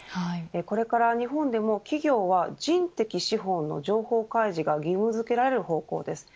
これから日本でも企業は人的資本の情報開示が義務付けられる方法です。